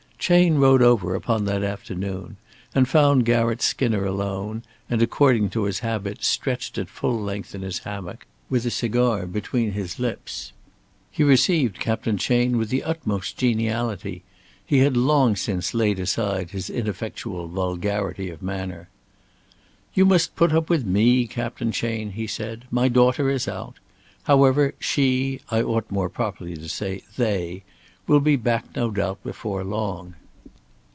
Chayne rode over upon that afternoon, and found Garratt Skinner alone and, according to his habit, stretched at full length in his hammock with a cigar between his lips. He received Captain Chayne with the utmost geniality. He had long since laid aside his ineffectual vulgarity of manner. "You must put up with me, Captain Chayne," he said. "My daughter is out. However, she I ought more properly to say, they will be back no doubt before long."